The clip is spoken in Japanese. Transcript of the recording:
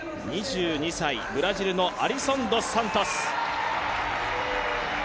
２２歳、ブラジルのアリソン・ドス・サントス。